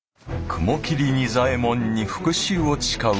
雲霧仁左衛門に復讐を誓う